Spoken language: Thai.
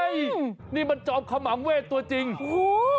เฮ้ยนี่มันจ็อมขมังเวศตัวจริงฮู้